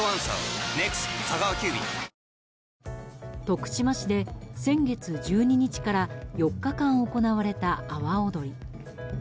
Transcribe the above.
徳島市で、先月１２日から４日間行われた阿波おどり。